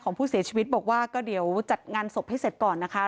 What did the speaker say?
งานศพให้เสร็จก่อนนะคะ